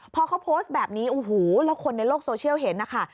พอเขาโพสต์แบบนี้โอ้โหแล้วคนในโลกโซเชียลเห็นนะคะ